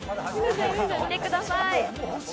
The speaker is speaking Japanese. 見てください。